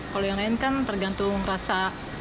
kalau yang lain kan tergantung rasa